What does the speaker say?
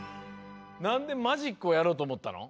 なんでマジックをやろうとおもったの？